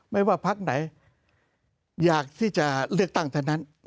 ไม่ว่าพักไหนอยากที่จะเลือกตั้งเท่านั้น